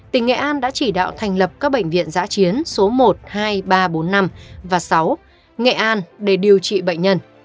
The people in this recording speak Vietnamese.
tỉnh nghệ an đã chỉ đạo thành lập các bệnh viện giã chiến số một hai ba bốn năm và sáu nghệ an để điều trị bệnh nhân